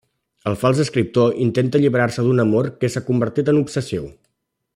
El fals escriptor intenta alliberar-se d'un amor que s'ha convertit en obsessiu.